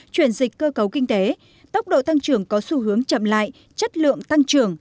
chuyển dịch cơ cấu kinh tế tốc độ tăng trường có xu hướng chậm lại chất lượng tăng trường